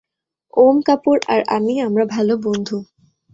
ওম কাপুর আর আমি, আমরা ভাল বন্ধু।